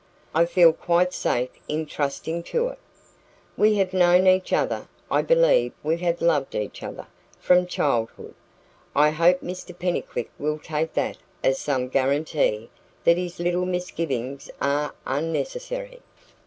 I feel quite safe in trusting to it. We have known each other I believe we have loved each other from childhood; I hope Mr Pennycuick will take that as some guarantee that his little misgivings are unnecessary."